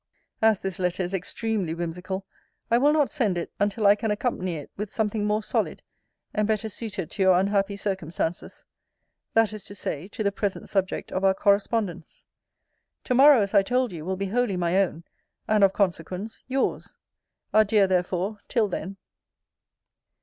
As this letter is extremely whimsical, I will not send it until I can accompany it with something more solid and better suited to your unhappy circumstances; that is to say, to the present subject of our correspondence. To morrow, as I told you, will be wholly my own, and of consequence yours. Adieu, therefore, till then.